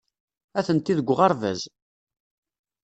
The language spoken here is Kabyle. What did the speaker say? Atenti deg uɣerbaz.